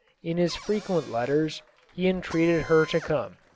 In his frequent letters he entreated her to come.